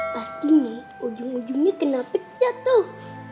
pastinya ujung ujungnya kenapa jatuh